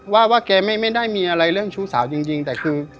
ว่าว่าแกไม่ได้มีอะไรเรื่องชู้สาวจริงแต่คือ